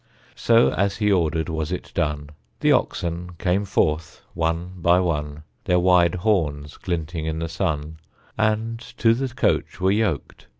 So, as he ordered, was it done. The oxen came forth one by one, Their wide horns glinting in the sun, And to the coach were yoked.